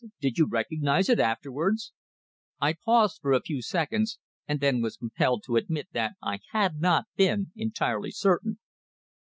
Did you recognise it afterwards?" I paused for a few seconds, and then was compelled to admit that I had not been entirely certain.